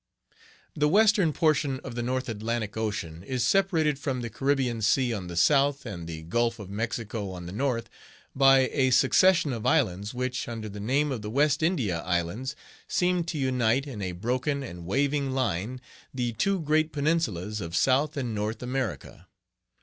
The western portion of the North Atlantic Ocean is separated from the Caribbean Sea on the south, and the Gulf of Mexico on the north, by a succession of islands which, under the name of the West India Islands, seem to unite, in a broken and waving line, the two great peninsulas of South and North America.